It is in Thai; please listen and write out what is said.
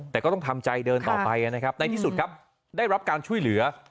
แต่ก็ต้องทำใจเดินต่อไปนะครับในที่สุดครับได้รับการช่วยเหลือ